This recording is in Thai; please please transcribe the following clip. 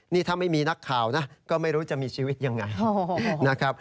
นี่ถ้าไม่มีนักข่าวนะก็ไม่รู้จะมีชีวิตอย่างไร